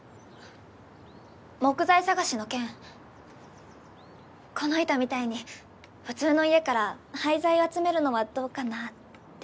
木材探しの件この板みたいに普通の家から廃材集めるのはどうかなって。